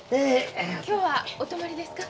今日はお泊まりですか？